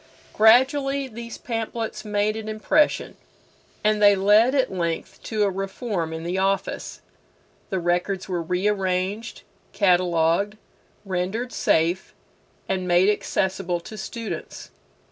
Gradually these pamphlets made an impression, and they led at length to a reform in the office. The records were rearranged, catalogued, rendered safe, and made accessible to students.